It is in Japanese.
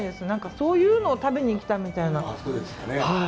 そういうのを食べに来たみたいな。